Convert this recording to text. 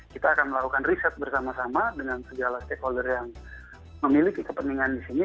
kita akan melakukan riset bersama sama dengan segala stakeholder yang memiliki kepentingan di sini